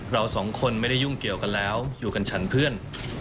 เราสองคนไม่ได้ยุ่งเกี่ยวกันแล้วอยู่กันฉันเพื่อน